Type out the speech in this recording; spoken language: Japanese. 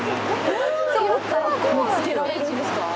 どうやったら見つけられるんですか？